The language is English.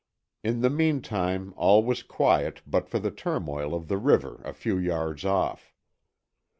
In the meantime, all was quiet but for the turmoil of the river a few yards off.